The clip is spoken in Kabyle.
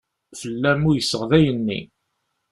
Fell-am uyseɣ dayen-nni.